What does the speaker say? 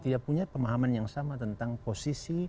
tidak punya pemahaman yang sama tentang posisi peran gitu